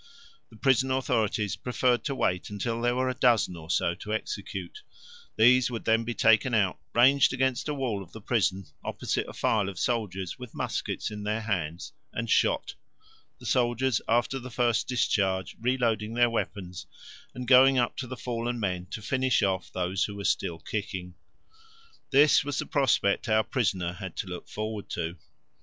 The prison authorities preferred to wait until there were a dozen or so to execute; these would then be taken out, ranged against a wall of the prison, opposite a file of soldiers with muskets in their hands, and shot, the soldiers after the first discharge reloading their weapons and going up to the fallen men to finish off those who were still kicking. This was the prospect our prisoner had to look forward to.